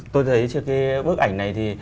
tôi thấy bức ảnh này thì